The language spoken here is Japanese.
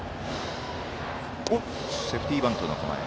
セーフティーバントの構え。